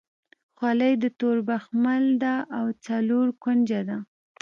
خولۍ د تور بخمل ده او څلور کونجه ده.